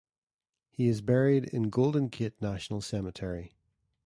He is buried in Golden Gate National Cemetery.